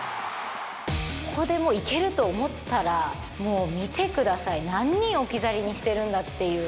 ここでもういけると思ったら、もう見てください、何人置き去りにしてるんだっていう。